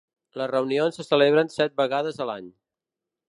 Les reunions se celebren set vegades a l'any.